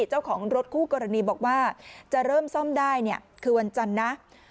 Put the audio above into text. เจ้าของรถคู่กรณีบอกว่าจะเริ่มซ่อมได้เนี่ยคือวันจันทร์นะ